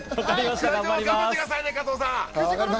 スタジオも頑張ってくださいね、加藤さん。